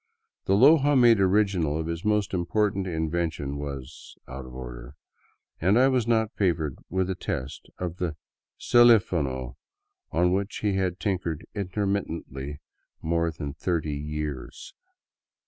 The Loja made original of his most important in vention was out of order, and I was not favored with a test of the " celifono " on which he had tinkered intermittently more than thirty years.